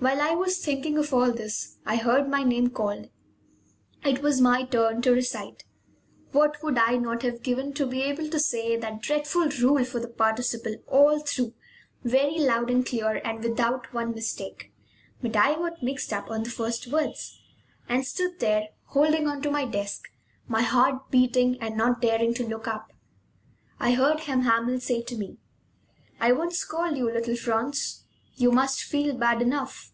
While I was thinking of all this, I heard my name called. It was my turn to recite. What would I not have given to be able to say that dreadful rule for the participle all through, very loud and clear, and without one mistake? But I got mixed up on the first words and stood there, holding on to my desk, my heart beating, and not daring to look up. I heard M. Hamel say to me: "I won't scold you, little Franz; you must feel bad enough.